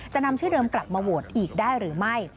นำชื่อเดิมกลับมาโหวตอีกได้หรือไม่